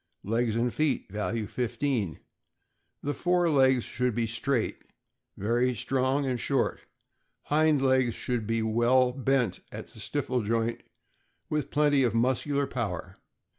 Legs and feet (value 15). — The fore legs should be straight, very strong, and short; hind legs should be well bent at the stifle joint, with plenty of muscular power.